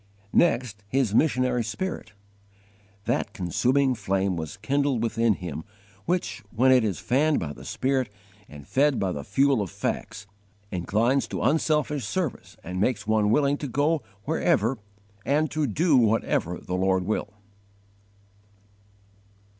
2. Next, his missionary spirit. That consuming flame was kindled within him which, when it is fanned by the Spirit and fed by the fuel of facts, inclines to unselfish service and makes one willing to go wherever, and to do whatever, the Lord will.